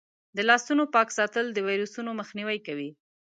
د لاسونو پاک ساتل د ویروسونو مخنیوی کوي.